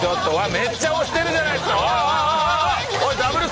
めっちゃ押してるじゃないですか！